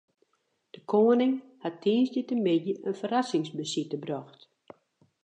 De koaning hat tiisdeitemiddei in ferrassingsbesite brocht.